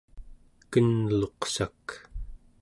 kenluqsak